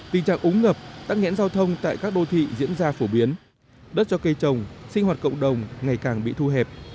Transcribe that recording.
tình trạng úng ngập tắc nghẽn giao thông tại các đô thị diễn ra phổ biến đất cho cây trồng sinh hoạt cộng đồng ngày càng bị thu hẹp